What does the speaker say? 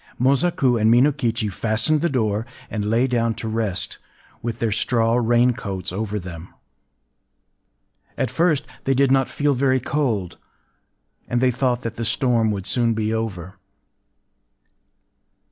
Mosaku and Minokichi fastened the door, and lay down to rest, with their straw rain coats over them. At first they did not feel very cold; and they thought that the storm would soon be over.